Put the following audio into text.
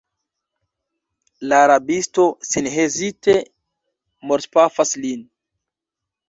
La rabisto senhezite mortpafas lin.